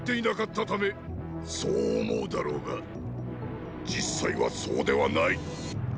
そう思うだろうが実際はそうではない。